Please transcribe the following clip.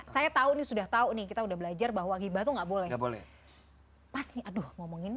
saya tahu nih sudah tahu nih kita udah belajar bahwa gibah tuh nggak boleh boleh pas nih aduh ngomongin